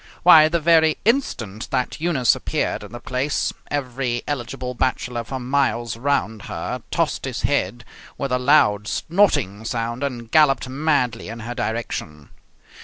Why, the very instant that Eunice appeared in the place, every eligible bachelor for miles around her tossed his head with a loud, snorting sound, and galloped madly in her direction.